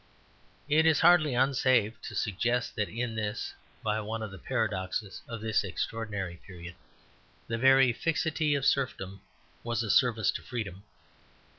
It is hardly unsafe to suggest that in this (by one of the paradoxes of this extraordinary period) the very fixity of serfdom was a service to freedom.